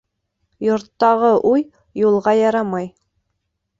Йорттағы уй юлға ярамай.